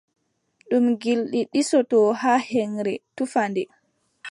Ɗum gilɗi ɗisotoo haa heŋre, tufa nde.